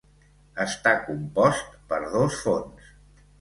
Està compost per dos fons.